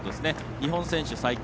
日本選手最高。